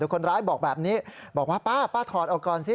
คนร้ายบอกแบบนี้บอกว่าป้าถอดออกก่อนสิ